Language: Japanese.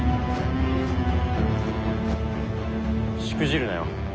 しくじるなよ。